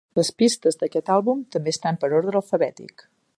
Les pistes d'aquest àlbum també estan per ordre alfabètic.